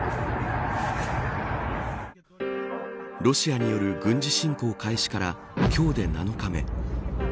ロシアによる軍事侵攻開始から今日で７日目。